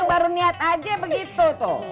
baru niat aja begitu tuh